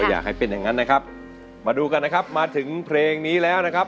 อยากให้เป็นอย่างนั้นนะครับมาดูกันนะครับมาถึงเพลงนี้แล้วนะครับ